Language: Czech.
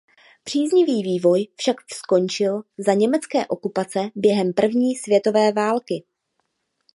Příznivý vývoj však skončil za německé okupace během první světové války.